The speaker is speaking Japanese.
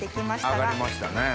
揚がりましたね。